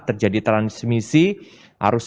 terjadi transmisi harus